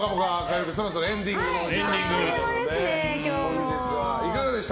本日はいかがでした？